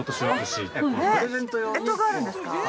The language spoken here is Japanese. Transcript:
◆干支があるんですか。